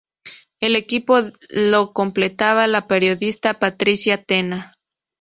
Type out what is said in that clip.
El equipo lo completaba la periodista Patricia Tena.